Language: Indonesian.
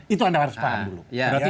itu anda harus paham dulu